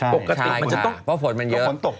ปกติมันจะต้องเพราะฝนมันเยอะ